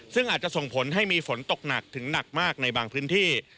ซึ่งอาจจะส่งผลให้มีฝนตกหนักถึงหนักมากในบางพื้นที่